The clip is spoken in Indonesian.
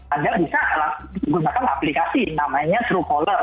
anda bisa gunakan aplikasi namanya truecaller